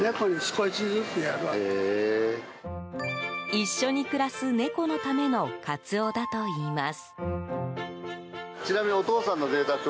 一緒に暮らす猫のためのカツオだといいます。